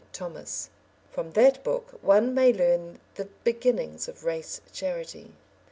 Thomas.] From that book one may learn the beginnings of race charity.